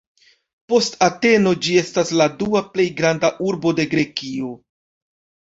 Post Ateno ĝi estas la dua plej granda urbo de Grekio.